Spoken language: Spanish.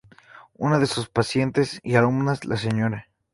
Una de sus pacientes y alumnas, la Sra.